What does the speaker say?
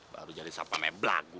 baru jadi sapa meblaku